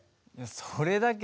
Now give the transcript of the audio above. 「それだけ？」